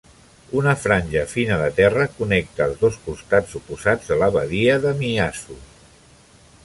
Una franja fina de terra connecta els dos costats oposats de la badia de Miyazu.